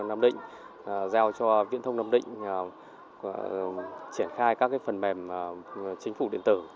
nam định giao cho viễn thông nam định triển khai các phần mềm chính phủ điện tử